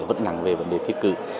vẫn nặng về vấn đề thi cử